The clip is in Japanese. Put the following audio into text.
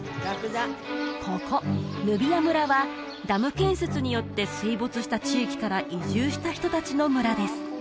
ここヌビア村はダム建設によって水没した地域から移住した人達の村です